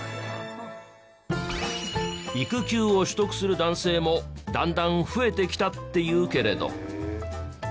育休を取得する男性もだんだん増えてきたっていうけれど。